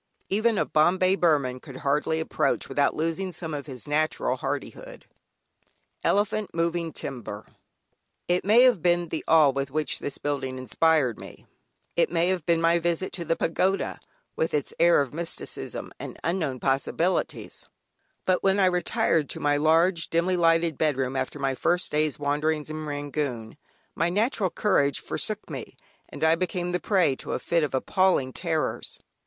Even a "Bombay Burman" could hardly approach, without losing some of his natural hardihood. [Illustration: ELEPHANT MOVING TIMBER] It may have been the awe with which this building inspired me, it may have been my visit to the Pagoda, with its air of mysticism and unknown possibilities, but when I retired to my large dimly lighted bed room after my first day's wanderings in Rangoon, my natural courage forsook me, and I became the prey to a fit of appalling terrors.